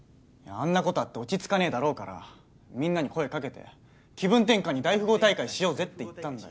あんなことあって落ち着かねえだろうからみんなに声かけて気分転換に大富豪大会しようぜって言ったんだ